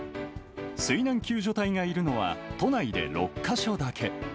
水難救助隊がいるのは都内で６か所だけ。